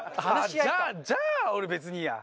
じゃあ俺別にいいや。